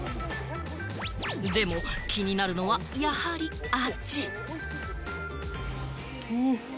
でも気になるのは、やはり味。